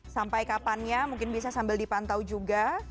sampai kapannya mungkin bisa sambil dipantau juga